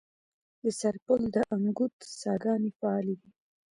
د سرپل د انګوت څاګانې فعالې دي؟